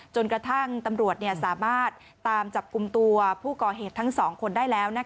จนกระทั่งตำรวจสามารถตามจับกลุ่มตัวผู้ก่อเหตุทั้ง๒คนได้แล้ว